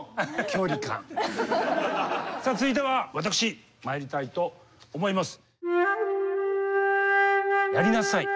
さあ続いては私まいりたいと思います。